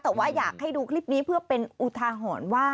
แต่ว่าอยากให้ดูคลิปนี้เพื่อเป็นอุทาหรณ์ว่า